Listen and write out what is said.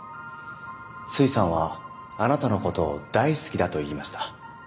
すいさんはあなたのことを大好きだと言いました